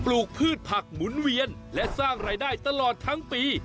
ลูกพืชผักหมุนเวียนและสร้างรายได้ตลอดทั้งปี